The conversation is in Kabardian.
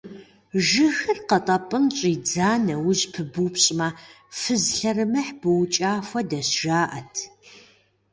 Жыгыр къэтӀэпӀын щӀидза нэужь пыбупщӀмэ, фыз лъэрымыхь быукӀа хуэдэщ, жаӀэт.